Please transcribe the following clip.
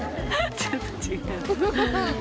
ちょっとちがう。